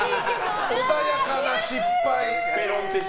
穏やかな失敗。